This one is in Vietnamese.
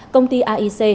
công ty aic